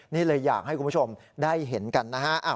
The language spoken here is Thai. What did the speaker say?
นี่เลยอยากให้คุณผู้ชมได้เห็นกันนะฮะ